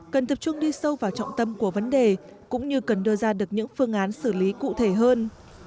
cần tập trung đi sâu vào trọng tâm của vấn đề cũng như cần đưa ra được những phương án xử lý cụ thể hơn